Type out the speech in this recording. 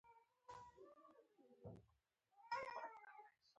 له ستونزو او مشکلاتو تېښته هغه سیالي ده.